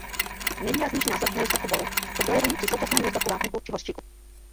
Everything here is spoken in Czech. Nejvýraznější následky nedostatku boru se projevují při současném nedostatku vápníku či hořčíku.